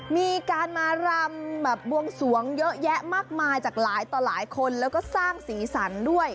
มีการมารำแบบบวงสวงเยอะแยะมากมายจากหลายต่อหลายคนแล้วก็สร้างสีสันด้วย